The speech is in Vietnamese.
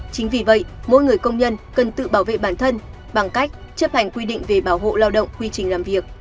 chính vì vậy mỗi người công nhân cần tự bảo vệ bản thân bằng cách chấp hành quy định về bảo hộ lao động quy trình làm việc